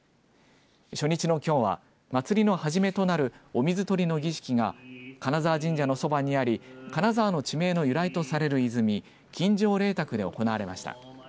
初日のきょうは祭りのはじめとなるお水とりの儀式が金澤神社のそばにあり金沢の地名の由来とされる泉金城霊沢で行われました。